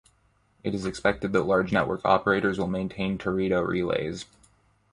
It is expected that large network operators will maintain Teredo relays.